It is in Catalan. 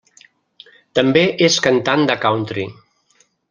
També és cantant de country.